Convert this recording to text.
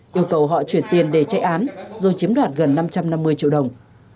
yêu cầu họ chuyển tiền để chạy án rồi chiếm đoạt gần năm trăm năm mươi triệu đồng